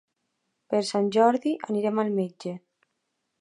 Per Sant Jordi anirem al metge.